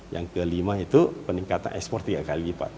yang kelima itu peningkatan ekspor tiga kali lipat